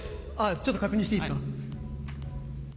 ちょっと確認していいですか？